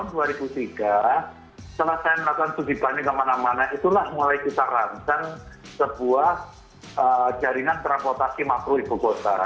jadi tahun dua ribu tiga setelah saya melakukan subibani kemana mana itulah mulai kita rancang sebuah jaringan terampotasi makro ibu gosara